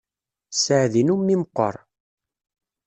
Sseɛd-inu mmi meqqer.